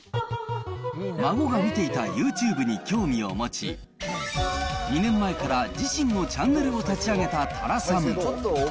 孫が見ていたユーチューブに興味を持ち、２年前から自身のチャンネルを立ち上げた多良さん。